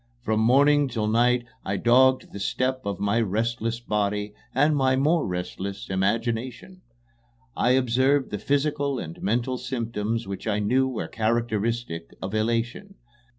From morning till night I dogged the steps of my restless body and my more restless imagination. I observed the physical and mental symptoms which I knew were characteristic of elation.